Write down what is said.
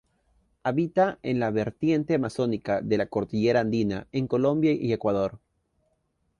Habita en la vertiente amazónica de la cordillera andina, en Colombia y Ecuador.